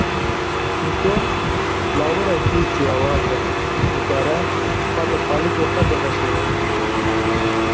Kîso, lawirekî ciyawaz e, dikare xwe di qalikê xwe de veşêre.